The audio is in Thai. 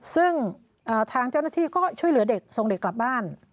ซึ่งทางเจ้าหน้าที่ก็ช่วยเหลือเด็กส่งเด็กกลับบ้าน